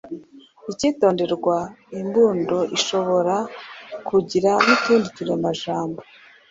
Ikitonderwa: Imbundo ishobora kugira n’utundi turemajambo,